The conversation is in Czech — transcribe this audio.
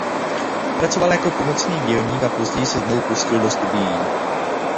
Pracoval jako pomocný dělník a později se znovu pustil do studií.